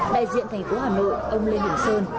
đại diện tp hà nội ông lê hùng sơn